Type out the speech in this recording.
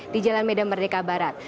di jalan medan merdeka barat